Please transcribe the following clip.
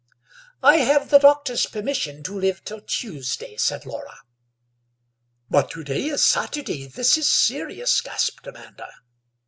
"I have the doctor's permission to live till Tuesday," said Laura. "But to day is Saturday; this is serious!" gasped Amanda.